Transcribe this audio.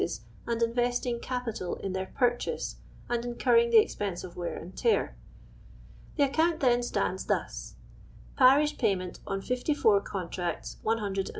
s, and investing capital in their purchase and incurring the ex|»ense of wear and tear. The ac count t'len stands thus :— Parish payment on 54 contracts, 150/. each